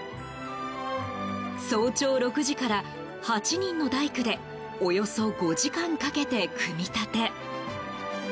早朝６時から８人の大工でおよそ５時間かけて組み立て。